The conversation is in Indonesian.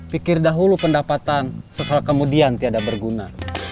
pikir dahulu pendapatan sesaat kemudian tiada berguna